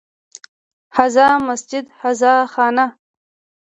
هذا مسجد، هذا خانه